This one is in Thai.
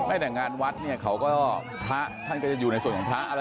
ไม่แต่งานวัดเขาก็พระท่านก็จะอยู่ในส่วนของพระ